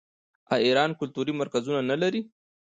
آیا ایران کلتوري مرکزونه نلري؟